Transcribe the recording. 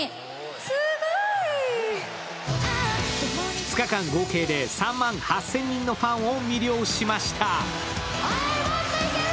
２日間合計で３万８０００人のファンを魅了しました。